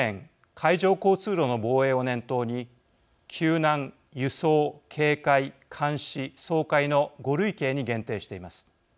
海上交通路の防衛を念頭に「救難」「輸送」「警戒」「監視」「掃海」の５類型に限定しています。